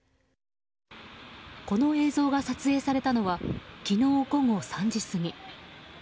この映像が撮影されたのは昨日午後３時過ぎ。